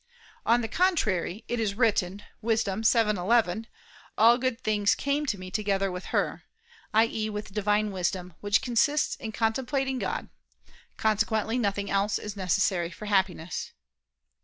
On the contrary, It is written (Wis. 7:11): "All good things came to me together with her," i.e. with divine wisdom, which consists in contemplating God. Consequently nothing else is necessary for Happiness.